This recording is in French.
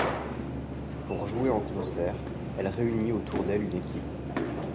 Pour jouer en concert, elle réunit autour d'elle une équipe.